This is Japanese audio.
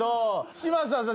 嶋佐さん